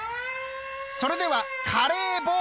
それではカレーボール！